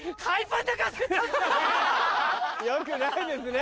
よくないですね。